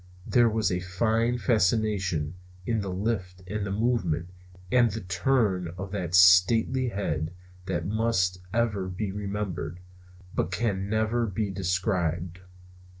There was a fine fascination in the lift and the movement and the turn of that stately head that must ever be remembered, but can never be described.